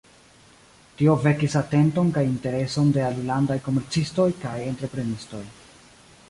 Tio vekis atenton kaj intereson de alilandaj komercistoj kaj entreprenistoj.